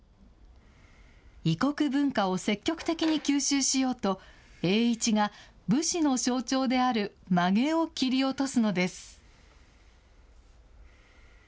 異国文化を積極的に吸収しようと、栄一が武士の象徴であるまげを切り落とすのです。